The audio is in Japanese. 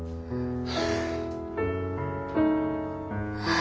あ。